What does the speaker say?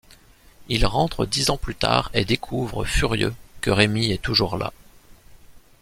Il rentre dix ans plus tard et découvre, furieux, que Rémi est toujours là.